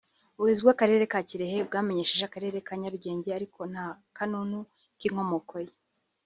ubuyobozi bw’Akarere ka Kirehe bwamenyesheje Akarere ka Nyarugenge ariko nta kanunu k’inkomoko ye